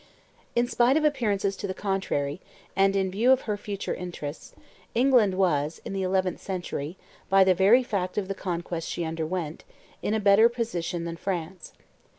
In spite of appearances to the contrary, and in view of her future interests, England was, in the eleventh century, by the very fact of the conquest she underwent, in a better position than France.